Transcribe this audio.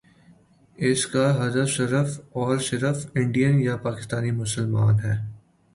اس کا ہدف صرف اور صرف انڈین یا پاکستانی مسلمان ہیں۔